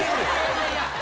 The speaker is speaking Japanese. いやいや。